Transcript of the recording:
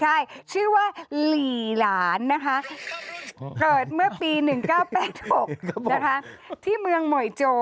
ใช่ชื่อว่าหลีหลานนะคะเกิดเมื่อปี๑๙๘๖นะคะที่เมืองหมวยโจ